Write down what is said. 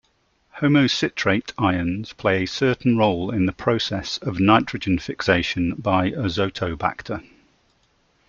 Homocitrate ions play a certain role in the processes of nitrogen fixation by "Azotobacter".